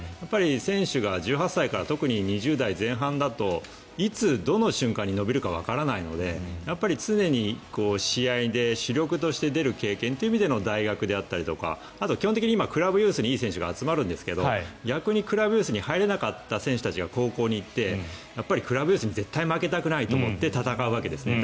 選手が１８歳から特に２０代前半だといつ、どの瞬間に伸びるかわからないのでやっぱり常に試合で主力として出るという意味での大学であったりとかあとは今、基本的にクラブユースにいい選手が集まるんですが逆にクラブユースに入れなかった選手が高校に行ってクラブユースに絶対負けたくないと思って戦うんですね。